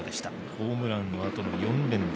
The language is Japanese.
ホームランのあとの４連打